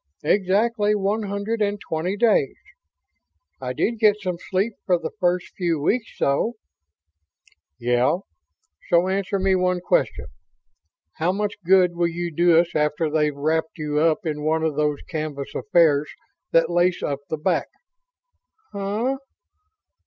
Exactly one hundred and twenty days. I did get some sleep for the first few weeks, though." "Yeah. So answer me one question. How much good will you do us after they've wrapped you up in one of those canvas affairs that lace up the back?" "Huh?